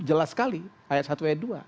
jelas sekali ayat satu ayat dua